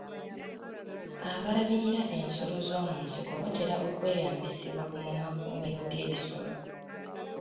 Abalabirira ensolo z'omu nsiko batera okweyambisibwa mu makuumiro g'ebisolo.